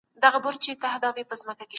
ټولنپوهنه دلته څرګنديږي.